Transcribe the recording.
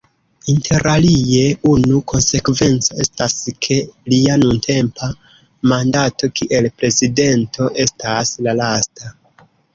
Interalie unu konsekvenco estas, ke lia nuntempa mandato kiel prezidento estas la lasta.